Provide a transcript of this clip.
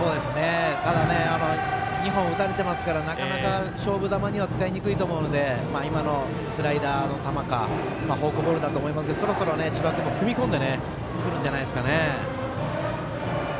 ただ２本打たれてますからなかなか、勝負球には使いにくいので今のスライダーの球かフォークボールだと思いますけどそろそろ千葉君も踏み込んでくるんじゃないですか。